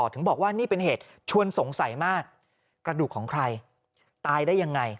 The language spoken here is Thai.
ถึงบอกว่านี่เป็นเหตุชวนสงสัยมากกระดูกของใครตายได้ยังไง